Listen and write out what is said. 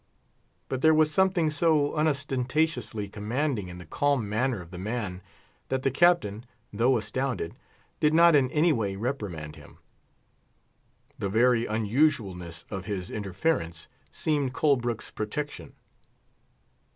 But there was something so unostentatiously commanding in the calm manner of the man, that the Captain, though astounded, did not in any way reprimand him. The very unusualness of his interference seemed Colbrook's protection.